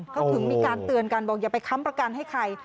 เขาถึงมีการเตือนกันบอกอย่าไปค้ำประกันให้ใคร